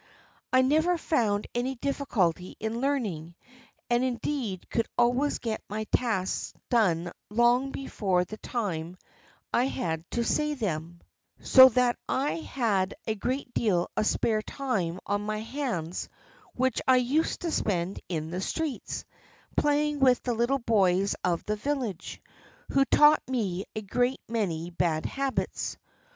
I never found any difficulty in learning, and indeed could always get my tasks done long before the time I had to say them, so that I had a great deal of spare time on my hands which I used to spend in the streets, playing with the little boys of the village, who taught me a great many bad habits.